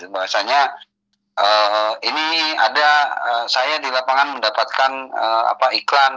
bahasanya ini ada saya di lapangan mendapatkan iklan